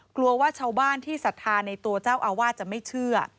กลัวว่าชาวบ้านที่ศรัทธาในตัวเจ้าอาวาสจะไม่เชื่อ